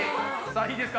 さあいいですか？